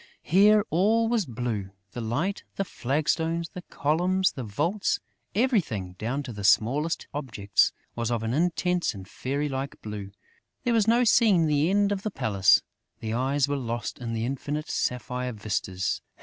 Here, all was blue: the light, the flagstones, the columns, the vaults; everything, down to the smallest objects, was of an intense and fairy like blue. There was no seeing the end of the palace; the eyes were lost in the infinite sapphire vistas.